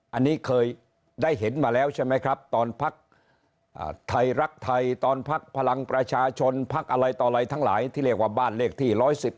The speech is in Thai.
อันนี้เคยได้เห็นมาแล้วใช่ไหมครับตอนพักไทยรักไทยตอนพักพลังประชาชนพักอะไรต่ออะไรทั้งหลายที่เรียกว่าบ้านเลขที่๑๑